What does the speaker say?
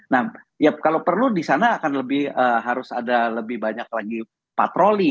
nah ya kalau perlu di sana akan lebih harus ada lebih banyak lagi patroli